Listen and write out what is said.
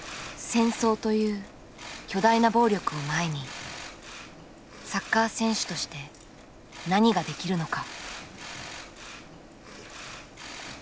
戦争という巨大な暴力を前にサッカー選手として何ができるのか。